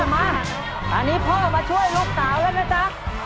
มาตอนนี้พ่อมาช่วยลูกสาวแล้วนะจ๊ะ